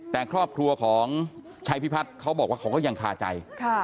แต่ครอบครัวของชัยพิพัฒน์เขาบอกว่าเขาก็ยังคาใจ